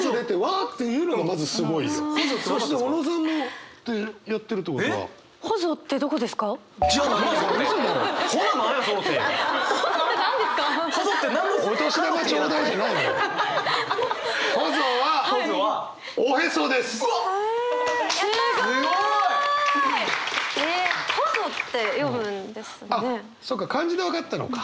あっそっか漢字で分かったのか。